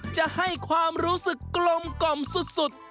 จะให้ความรู้สึกกลมกล่อมสุด